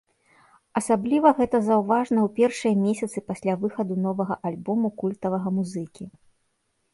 Асабліва гэта заўважна ў першыя месяцы пасля выхаду новага альбому культавага музыкі.